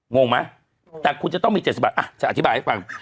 งงไหมแต่คุณจะต้องมี๗๐บาทจะอธิบายให้ฟัง